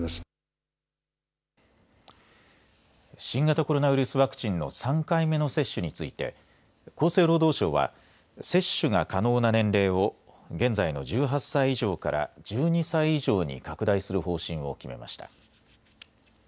新型コロナウイルスワクチンの３回目の接種について厚生労働省は接種が可能な年齢を現在の１８歳以上から１２歳以上に拡大する方針を決めました。